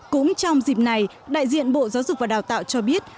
cũng trong dịp này đại diện bộ giáo dục và đào tạo cho biết